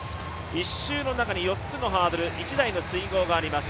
１周の中に４つのハードル１台の水濠があります。